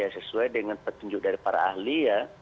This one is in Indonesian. sesuai dengan petunjuk dari para ahli ya